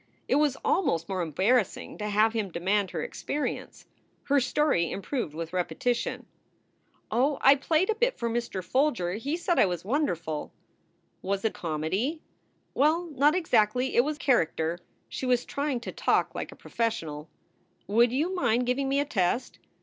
It was almost more embarrassing to have him demand her experience. Her story improved with repetition: "Oh, I played a bit for Mr. Folger. He said I was won derful." "Was it comedy?" "Well, not exactly. It was character." She was trying to talk like a professional. "Would you mind giving me a test?"